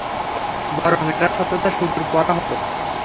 বরং এটার সত্যতা সুদূর পরাহত।